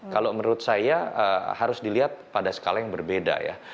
kalau menurut saya harus dilihat pada skala yang berbeda ya